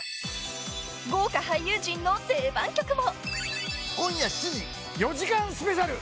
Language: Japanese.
豪華俳優陣の定番曲も。